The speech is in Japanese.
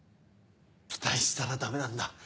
期待したらダメなんだ。